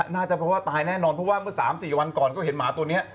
น่าจะว่าตายแน่นอนเพราะว่าเมื่อสามสี่วันก่อนก็เห็นหมาตัวเนี้ย